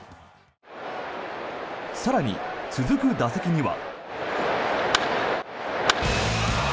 更に、続く打席には。